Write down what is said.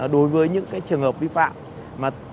đối với những cái trường hợp vi phạm